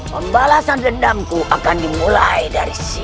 pembalasan dendamku akan dimulai dari sini